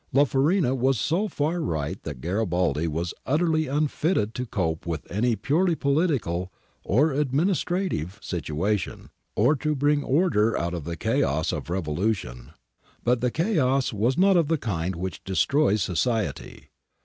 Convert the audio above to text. La Farina was so far right that Garibaldi was utterly unfitted to cope with any purely political or administrative situation, or to bring order out of the chaos of revolution ; but the chaos was not of the kind which destroys society.